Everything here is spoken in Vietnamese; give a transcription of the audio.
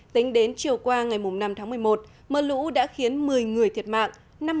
tính đến chiều qua ngày năm tháng một mươi một mưa lũ đã khiến một mươi người thiệt mạng